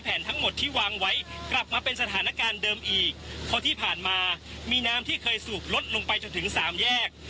เพราะที่ผ่านมามีน้ำที่เคยสูบลดลงไปจนถึง๓แยก